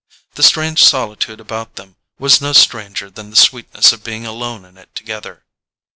The strange solitude about them was no stranger than the sweetness of being alone in it together.